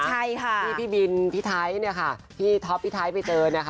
ใช่ค่ะที่พี่บินพี่ไทยเนี่ยค่ะพี่ท็อปพี่ไทยไปเจอนะคะ